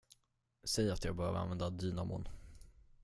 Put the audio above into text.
Säg att jag behöver använda dynamon.